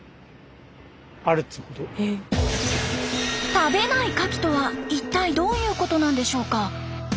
食べないカキとは一体どういうことなんでしょうか？